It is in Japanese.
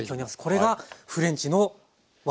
これがフレンチの技。